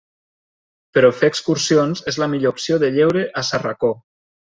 Però fer excursions és la millor opció de lleure a s'Arracó.